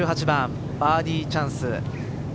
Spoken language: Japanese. １８番バーディーチャンス。